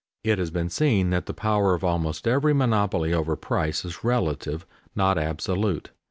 _ It has been seen that the power of almost every monopoly over price is relative, not absolute.